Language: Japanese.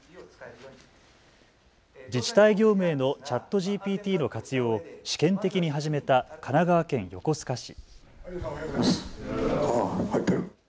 自治体業務へのＣｈａｔＧＰＴの活用を試験的に始めた神奈川県横須賀市。